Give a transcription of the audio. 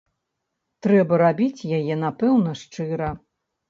Трэба рабіць яе, напэўна, шчыра.